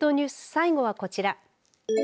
最後はこちら。